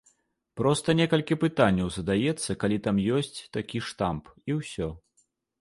Проста некалькі пытанняў задаецца, калі там ёсць такі штамп, і ўсё.